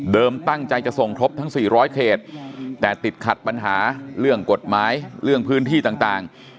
ตั้งใจจะส่งครบทั้ง๔๐๐เขตแต่ติดขัดปัญหาเรื่องกฎหมายเรื่องพื้นที่ต่าง